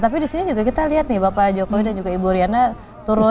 tapi di sini juga kita lihat nih bapak jokowi dan juga ibu riana turun